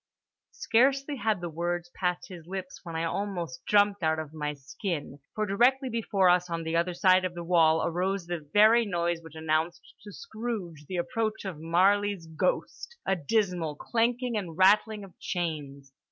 Scarcely had the words passed his lips when I almost jumped out of my skin, for directly before us on the other side of the wall arose the very noise which announced to Scrooge the approach of Marley's ghost—a dismal clanking and rattling of chains.